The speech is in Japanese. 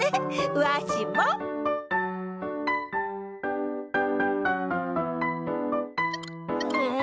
わしもん？